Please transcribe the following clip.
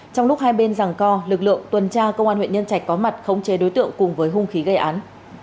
trong lúc hai bên rằng co lực lượng tuần tra công an huyện nhân trạch có mặt khống chế đối tượng cùng với hung khí gây án